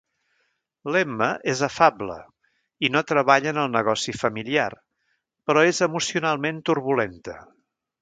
L'Emma és afable, i no treballa en el negoci familiar, però és emocionalment turbulenta.